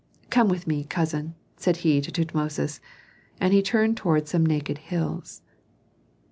Come with me, cousin," said he to Tutmosis; and he turned toward some naked hills.